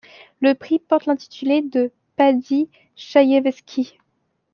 Le prix porte l’intitulé de Paddy Chayefsky.